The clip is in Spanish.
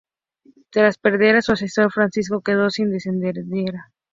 Tras perder a su sucesor, Francisco quedó sin descendencia.